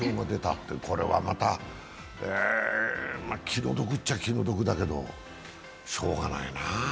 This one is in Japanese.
気の毒っちゃ気の毒だけど、しようがないな。